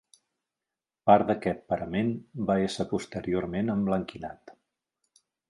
Part d'aquest parament va ésser posteriorment emblanquinat.